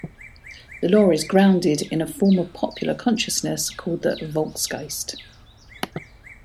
The law is grounded in a form of popular consciousness called the "Volksgeist".